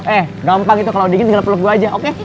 eh gampang itu kalau dingin tinggal peluk gue aja oke